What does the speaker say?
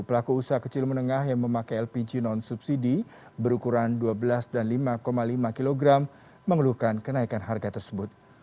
pelaku usaha kecil menengah yang memakai lpg non subsidi berukuran dua belas dan lima lima kg mengeluhkan kenaikan harga tersebut